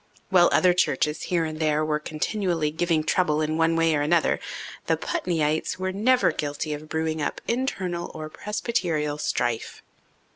While other churches here and there were continually giving trouble in one way or another, the Putneyites were never guilty of brewing up internal or presbyterial strife.